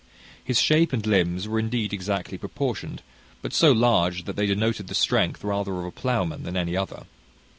His shape and limbs were indeed exactly proportioned, but so large that they denoted the strength rather of a ploughman than any other.